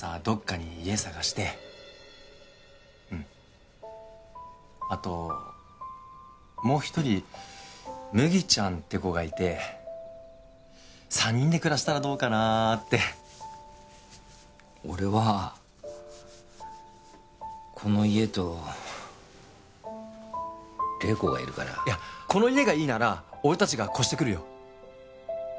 どっかに家探してうんあともう一人麦ちゃんって子がいて三人で暮らしたらどうかなって俺はこの家と麗子がいるからいやこの家がいいなら俺達が越してくるよ